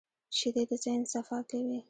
شیدې د ذهن صفا کوي